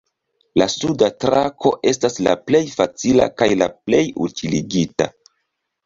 La suda trako estas la plej facila kaj la plej utiligita.